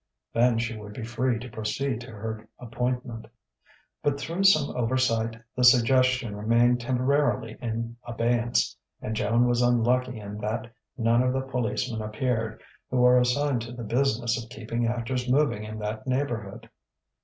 Then she would be free to proceed to her appointment. But through some oversight the suggestion remained temporarily in abeyance; and Joan was unlucky in that none of the policemen appeared, who are assigned to the business of keeping actors moving in that neighbourhood.